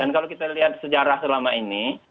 kalau kita lihat sejarah selama ini